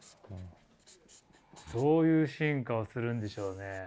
どういう進化をするんでしょうね。